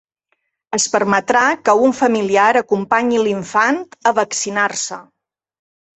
Es permetrà que un familiar acompanyi l’infant a vaccinar-se.